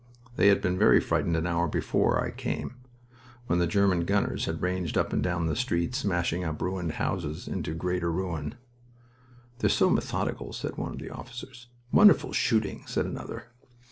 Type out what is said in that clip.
They had been very frightened an hour before I came, when the German gunners had ranged up and down the street, smashing up ruined houses into greater ruin. "They're so methodical!" said one of the officers. "Wonderful shooting!" said another.